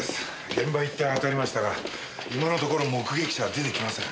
現場一帯を当たりましたが今のところ目撃者は出てきません。